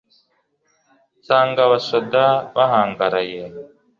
nsanga abasoda bahangaraye